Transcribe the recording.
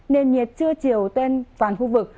nền nhiệt chưa chiều trên toàn khu vực